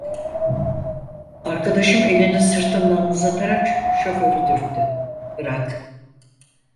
Arkadaşım elini sırtımdan uzatarak şoförü dürttü: "Bırak…"